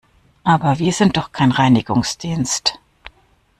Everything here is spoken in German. Aber wir sind doch kein Reinigungsdienst!